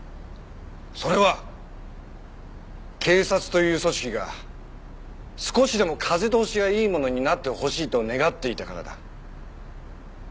それは警察という組織が少しでも風通しがいいものになってほしいと願っていたからだ。